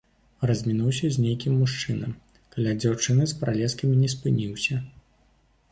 Размінуўся з нейкім мужчынам, каля дзяўчыны з пралескамі не спыніўся.